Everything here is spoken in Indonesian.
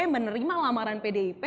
menerima lamaran pdip